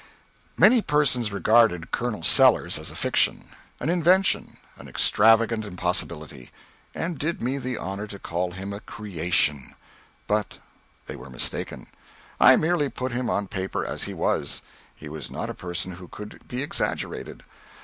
Many persons regarded "Colonel Sellers" as a fiction, an invention, an extravagant impossibility, and did me the honor to call him a "creation"; but they were mistaken. I merely put him on paper as he was; he was not a person who could be exaggerated.